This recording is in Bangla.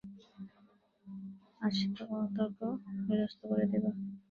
আজ তোর তর্ক নিরস্ত করে দেব।